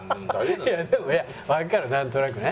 いやでもわかるなんとなくね。